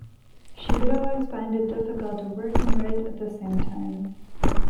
She would always find it difficult to work and write at the same time.